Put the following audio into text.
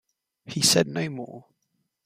He said no more.